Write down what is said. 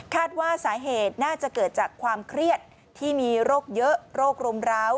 ว่าสาเหตุน่าจะเกิดจากความเครียดที่มีโรคเยอะโรครุมร้าว